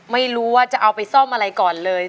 ไม่รู้ว่าจะเอาไปซ่อมอะไรก่อนเลย